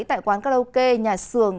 tại quán karaoke nhà sường